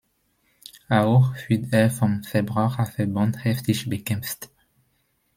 Auch wird er vom Verbraucherverband heftig bekämpft.